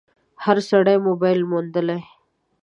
هر سړي موبایل موندلی